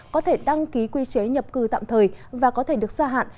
có thể đăng ký quy chế nhập cư tạm thời và có thể được xa hạn